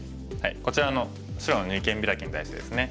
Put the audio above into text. こちらの白の二間ビラキに対してですね